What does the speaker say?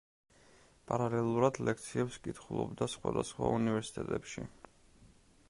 პარალელურად ლექციებს კითხულობდა სხვადასხვა უნივერსიტეტებში.